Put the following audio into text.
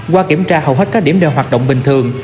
qua kiểm tra hầu hết các điểm đều hoạt động bình thường